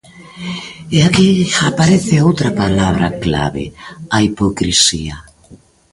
E aquí aparece outra palabra clave: a hipocrisía.